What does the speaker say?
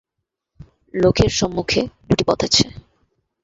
লোকের সম্মুখে দুইটি পথ আছে।